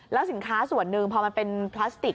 แล้วสินค้าส่วนหนึ่งพอมันเป็นพลาสติก